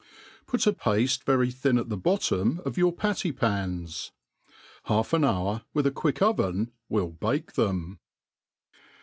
Put a pafte very thin at the bottom of your patty*pans. Half an hour^ with a quick oven, will bake them.